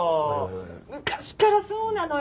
昔からそうなのよ。